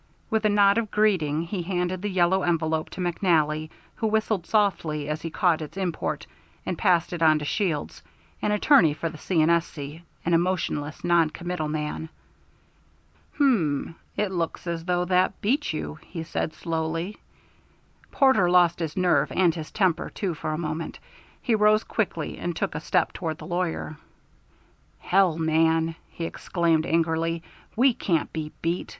With a nod of greeting he handed the yellow envelope to McNally, who whistled softly as he caught its import, and passed it on to Shields, an attorney for the C. & S.C., an emotionless, noncommittal man. "Hm it looks as though that beat you," he said slowly. Porter lost his nerve and his temper too for a moment. He rose quickly and took a step toward the lawyer. "Hell, man!" he exclaimed angrily. "We can't be beat.